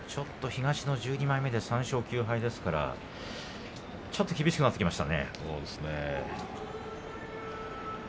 東の１２枚目で３勝９敗ですからちょっと厳しくなってきました。